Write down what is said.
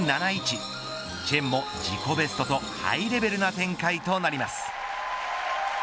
チェンも自己ベストとハイレベルな展開となります。